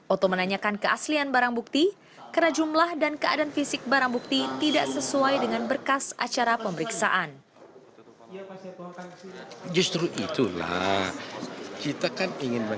oto menanyakan keaslian barang bukti karena jumlah dan keadaan fisik barang bukti tidak sesuai dengan berkas acara pemeriksaan